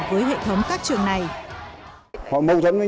với hệ thống các trường này